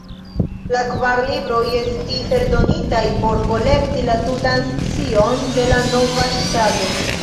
La kvar libroj estis eldonitaj por kolekti la tutan scion de la nova ŝtato.